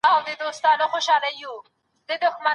که ئې شک وکړ، چي طلاق ئې ويلی دی که يه؟